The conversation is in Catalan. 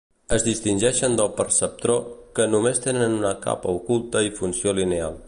Es distingeixen del perceptró que només tenen una capa oculta i funció lineal.